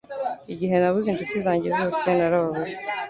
igihe nabuze inshuti zanjye zose narababaye